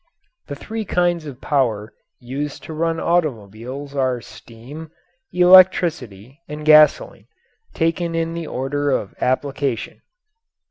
The three kinds of power used to run automobiles are steam, electricity, and gasoline, taken in the order of application.